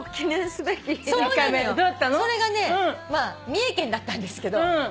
三重県だったんですけど。